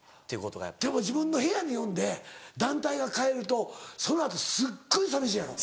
でも自分の部屋に呼んで団体が帰るとその後すっごい寂しいやろ。